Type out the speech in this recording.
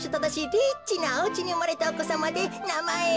リッチなおうちにうまれたおこさまでなまえを。